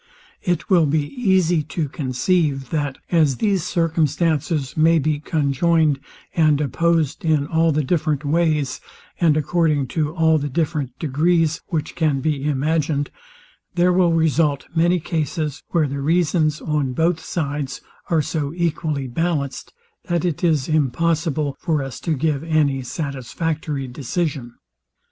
It will be easy to conceive, that, as these circumstances may be conjoined and opposed in all the different ways, and according to all the different degrees, which can be imagined, there will result many cases, where the reasons on both sides are so equally balanced, that it is impossible for us to give any satisfactory decision.